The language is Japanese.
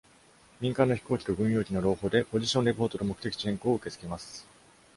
民間の飛行機と軍用機の朗報で、ポジションレポートと目的地変更を受け付けます。